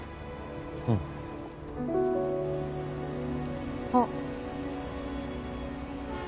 うん。あっ。